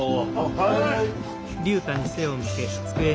はい。